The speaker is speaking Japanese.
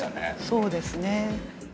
そうですね。